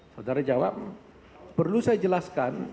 saudara jawab perlu saya jelaskan